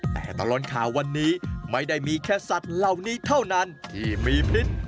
แต่ตลอดข่าววันนี้ไม่ได้มีแค่สัตว์เหล่านี้เท่านั้นที่มีพิษ